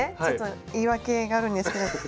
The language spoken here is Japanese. ちょっと言い訳があるんですけど。